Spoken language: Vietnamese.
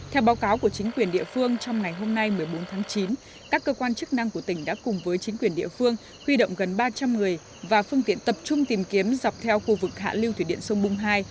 theo báo cáo của chính quyền địa phương trong ngày hôm nay một mươi bốn tháng chín các cơ quan chức năng của tỉnh đã cùng với chính quyền địa phương huy động gần ba trăm linh người và phương tiện tập trung tìm kiếm dọc theo khu vực hạ lưu thủy điện sông bung hai